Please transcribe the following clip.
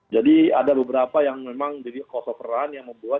jadi ada beberapa yang memang jadi kosoferan yang membuat